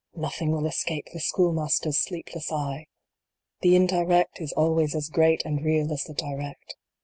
Nothing will escape the Schoolmaster s sleepless eye ! The indirect is always as great and real as the direct.